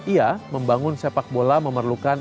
ia membangun sepak bola memerlukan